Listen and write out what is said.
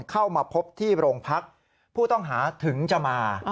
เข้ามาพบที่โรงพักผู้ต้องหาถึงจะมา